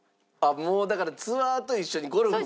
もうだからツアーと一緒にゴルフも計画に？